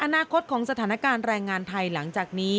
อนาคตของสถานการณ์แรงงานไทยหลังจากนี้